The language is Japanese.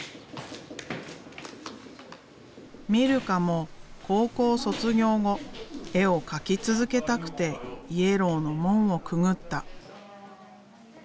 ミルカも高校卒業後絵を描き続けたくてＹＥＬＬＯＷの門をくぐった。